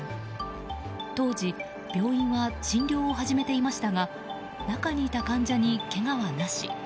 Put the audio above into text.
当時、病院は診療を始めていましたが中にいた患者に、けがはなし。